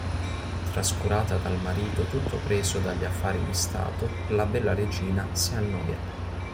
Trascurata dal marito tutto preso dagli affari di stato, la bella regina si annoia.